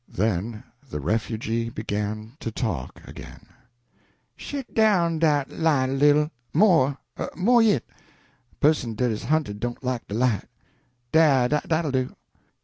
Then the refugee began to talk again: "Shet down dat light a little. More. More yit. A pusson dat is hunted don't like de light. Dah dat'll do.